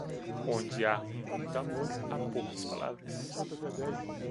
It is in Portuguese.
Onde há muito amor, há poucas palavras.